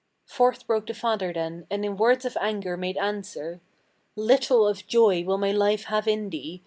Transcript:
Forth broke the father then, and in words of anger made answer: "Little of joy will my life have in thee!